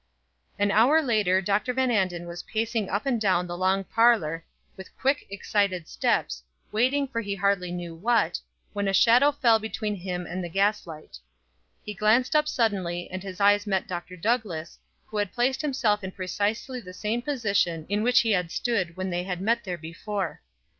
An hour later Dr. Van Anden was pacing up and down the long parlor, with quick, excited steps, waiting for he hardly knew what, when a shadow fell between him and the gaslight. He glanced up suddenly, and his eyes met Dr. Douglass, who had placed himself in precisely the same position in which he had stood when they had met there before.